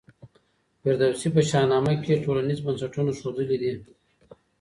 فردوسي په شاهنامه کي ټولنیز بنسټونه ښودلي دي.